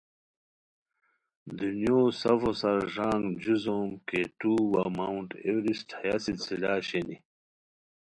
دنیو سفو سار ݱانگ جو زوم کے ٹو وا ماؤنٹ ایورسٹ ہیا سلسلا شینی